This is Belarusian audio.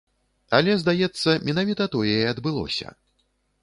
Але, здаецца, менавіта тое і адбылося.